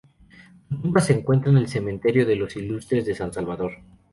Su tumba se encuentra en el Cementerio de Los Ilustres de San Salvador.